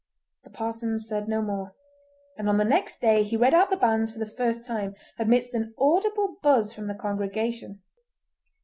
The parson said no more, and on the next day he read out the banns for the first time amidst an audible buzz from the congregation.